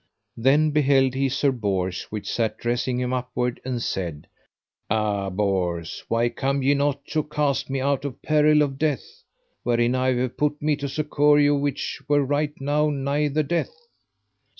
Then beheld he Sir Bors which sat dressing him upward and said: Ah, Bors, why come ye not to cast me out of peril of death, wherein I have put me to succour you which were right now nigh the death?